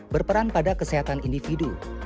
berperan pada kesehatan individu